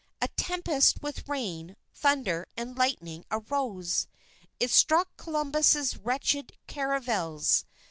A tempest with rain, thunder, and lightning arose. It struck Columbus's wretched caravels.